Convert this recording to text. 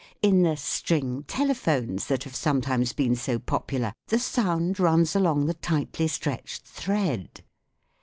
In the " string telephones " that have sometimes been so popular, the sound runs along the tightly stretched thread.